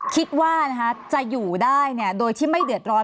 คิดว่าจะอยู่ได้โดยที่ไม่เดือดร้อน